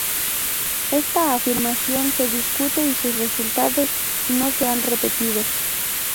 Esta afirmación se discute y sus resultados no se han repetido.